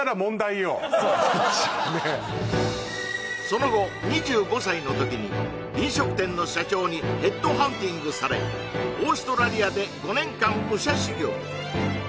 その後２５歳の時に飲食店の社長にヘッドハンティングされオーストラリアで５年間武者修行